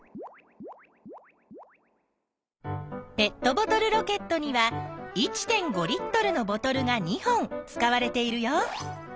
ペットボトルロケットには１．５Ｌのボトルが２本使われているよ。